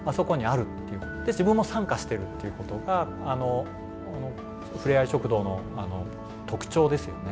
で自分も参加してるっていうことがあのふれあい食堂の特徴ですよね。